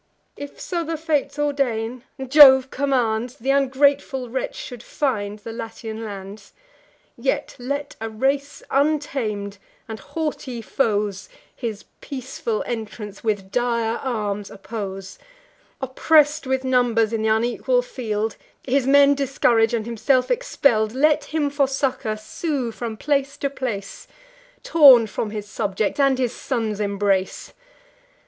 If so the Fates ordain, Jove commands, Th' ungrateful wretch should find the Latian lands, Yet let a race untam'd, and haughty foes, His peaceful entrance with dire arms oppose: Oppress'd with numbers in th' unequal field, His men discourag'd, and himself expell'd, Let him for succour sue from place to place, Torn from his subjects, and his son's embrace.